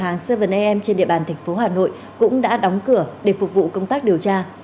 hàng loạt các cửa hàng bảy am trên địa bàn thành phố hà nội cũng đã đóng cửa để phục vụ công tác điều tra